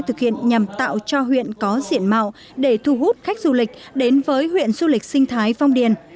thực hiện nhằm tạo cho huyện có diện mạo để thu hút khách du lịch đến với huyện du lịch sinh thái phong điền